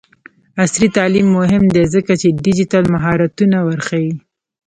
عصري تعلیم مهم دی ځکه چې ډیجیټل مهارتونه ورښيي.